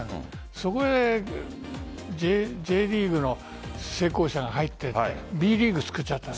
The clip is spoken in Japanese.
そこでＪリーグの成功者が入ってＢリーグを作っちゃった。